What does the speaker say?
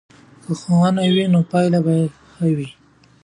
که ښوونه ښه وي نو پایله به ښه وي.